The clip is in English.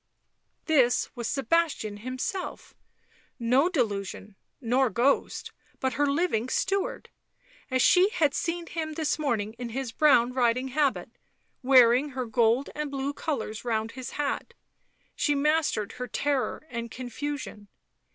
This was Sebastian himself, no delusion nor ghost, but her living steward, as she had seen him this morning in his brown riding habit, wearing her gold and blue colours round his hat. She mastered her terror and confusion.